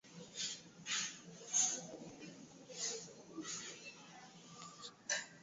Ugonjwa wa homa ya mapafu kwa kondoo na mbuzi